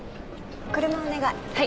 車をお願い。